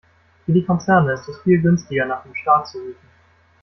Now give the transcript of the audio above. Für die Konzerne ist es viel günstiger, nach dem Staat zu rufen.